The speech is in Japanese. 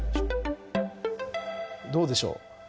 どうでしょう？